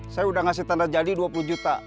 saya sudah ngasih tanda jadi dua puluh juta